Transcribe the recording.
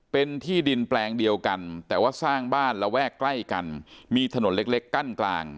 เป็นที่ดินแปลงเดียวกันแต่ว่าสร้างบ้านระแวกใกล้กันมีถนนเล็กกั้นกลาง